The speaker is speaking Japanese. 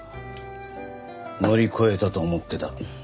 乗り越えたと思ってた。